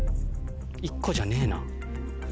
１個じゃねえな。